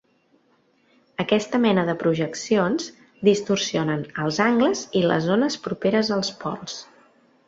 Aquesta mena de projeccions distorsionen els angles i les zones properes als pols.